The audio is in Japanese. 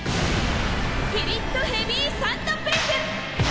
ピリッｔｏヘヴィサンドプレス！